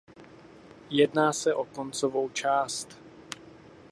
Jedná se o koncovou část.